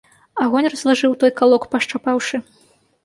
Агонь разлажыў, той калок пашчапаўшы.